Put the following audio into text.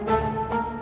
airin menemukan air